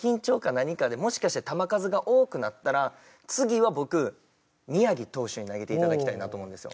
何かでもしかして球数が多くなったら次は僕宮城投手に投げて頂きたいなと思うんですよ。